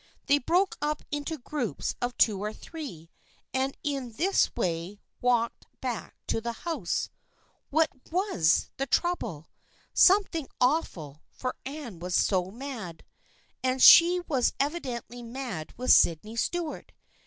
They broke up into groups of two or three, and in this way walked back to the house. What ivas the trouble ? Some THE FRIENDSHIP OF ANNE 103 thing awful, for Anne was so mad. And she was evidently mad with Sydney Stuart.